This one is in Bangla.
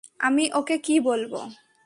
আমি ওকে কী বলবো?